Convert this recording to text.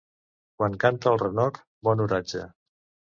Quan canta el renoc, bon oratge.